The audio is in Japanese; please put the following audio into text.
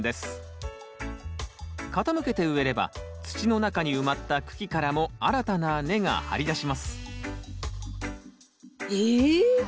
傾けて植えれば土の中に埋まった茎からも新たな根が張り出しますえっ！